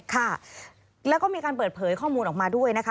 ค่ะแล้วก็มีการเปิดเผยข้อมูลออกมาด้วยนะคะ